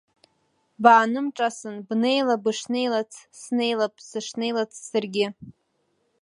Баанымҿасын, бнеила бышнеилац, снеилап сышнеилац саргьы!